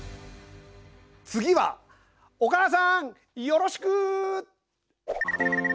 次はお母さんよろしく！